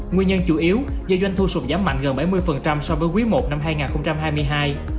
nguyên nhân chủ yếu do doanh thu sụt giảm mạnh gần bảy mươi so với quý i năm hai nghìn hai mươi hai